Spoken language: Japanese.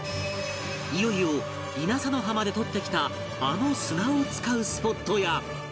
いよいよ稲佐の浜で取ってきたあの砂を使うスポットや